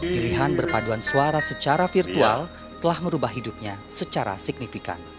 pilihan berpaduan suara secara virtual telah merubah hidupnya secara signifikan